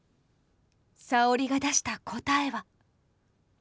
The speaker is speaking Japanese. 沙織が出した答えは。